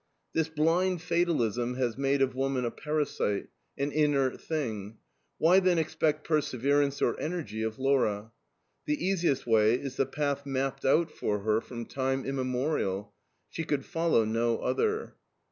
This blind fatalism has made of woman a parasite, an inert thing. Why then expect perseverance or energy of Laura? The easiest way is the path mapped out for her from time immemorial. She could follow no other.